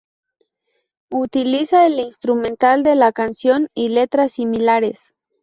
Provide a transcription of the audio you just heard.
Utiliza el instrumental de la canción, y letras similares.